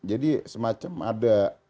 jadi semacam ada